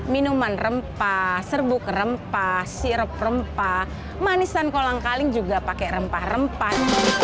minuman rempah serbuk rempah sirup rempah manisan kolang kaling juga pakai rempah rempah